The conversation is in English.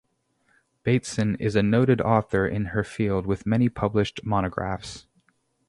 Bateson is a noted author in her field with many published monographs.